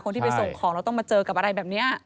ที่ไปส่งของแล้วต้องมาเจอกับอะไรแบบนี้